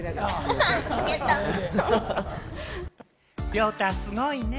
亮太、すごいね！